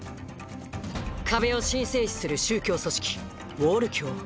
壁を神聖視する宗教組織「ウォール教」。